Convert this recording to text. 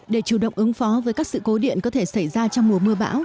để chủ động ứng phó với các sự cố điện có thể xảy ra trong mùa mưa bão